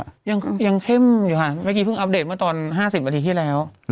ยังก็ยังเข้มอยู่ค่ะเมื่อกี้พึ่งอัปเดตเมื่อตอนห้าสิบประถีที่แล้ว